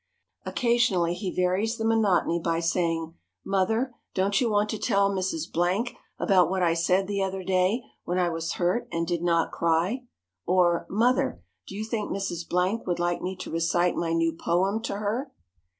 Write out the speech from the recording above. Occasionally he varies the monotony by saying, "Mother, don't you want to tell Mrs. Blank about what I said the other day when I was hurt and did not cry?" Or, "Mother, do you think Mrs. Blank would like me to recite my new poem to her?"